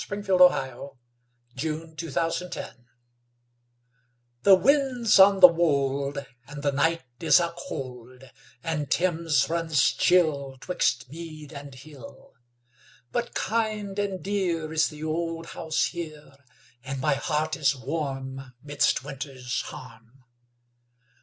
William Morris Inscription for an Old Bed THE wind's on the wold And the night is a cold, And Thames runs chill 'Twixt mead and hill. But kind and dear Is the old house here And my heart is warm Midst winter's harm.